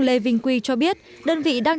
lê vinh quy cho biết đơn vị đang